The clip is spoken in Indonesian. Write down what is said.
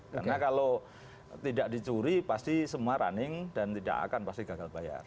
karena kalau tidak dicuri pasti semua running dan tidak akan pasti gagal bayar